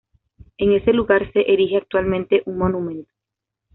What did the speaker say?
En ese lugar se erige actualmente un monumento.